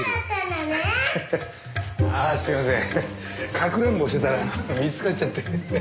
かくれんぼしてたら見つかっちゃって。